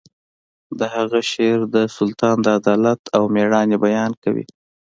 د هغه شعر د سلطان د عدالت او میړانې بیان کوي